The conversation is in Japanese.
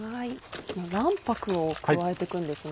卵白を加えていくんですね。